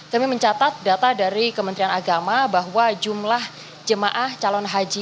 kami mencatat data dari kementerian agama bahwa jumlah jemaah calon haji